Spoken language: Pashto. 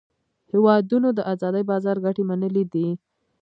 هیوادونو د آزاد بازار ګټې منلې دي